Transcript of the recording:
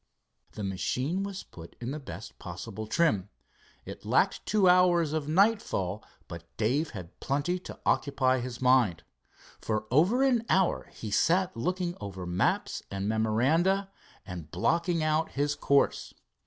The machine was put in the best possible trim. It lacked two hours of nightfall but Dave had plenty to occupy his mind. For over an hour he sat looking over maps and memoranda, and blocking out his course.